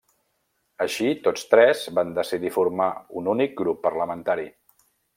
Així tots tres van decidir formar un únic grup parlamentari.